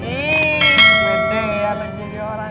ih beda ya